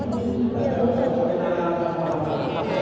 คุณต้องเดียวรู้คุณต้องได้รู้